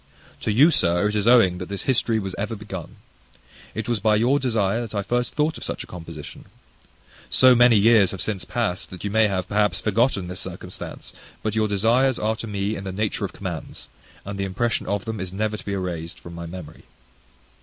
To you, Sir, it is owing that this history was ever begun. It was by your desire that I first thought of such a composition. So many years have since past, that you may have, perhaps, forgotten this circumstance: but your desires are to me in the nature of commands; and the impression of them is never to be erased from my memory.